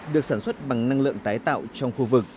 được sản xuất bằng năng lượng tái tạo trong khu vực